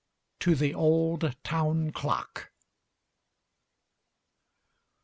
TO THE OLD TOWN CLOCK.